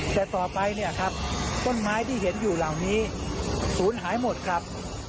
แต่ต่อไปเนี่ยครับต้นไม้ที่เห็นอยู่เหล่านี้ศูนย์หายหมดครับ